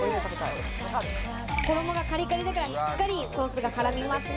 衣がカリカリだから、しっかりソースが絡みますね。